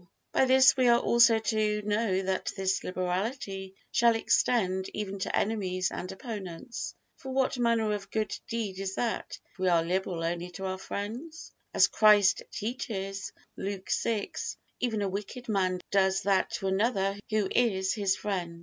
By this we are also to know that this liberality shall extend even to enemies and opponents. For what manner of good deed is that, if we are liberal only to our friends? As Christ teaches, Luke vi, even a wicked man does that to another who is his friend.